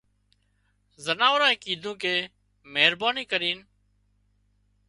زناوڙانئي ڪيڌون ڪي مهرباني ڪرينَ